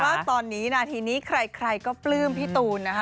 ว่าตอนนี้นาทีนี้ใครก็ปลื้มพี่ตูนนะคะ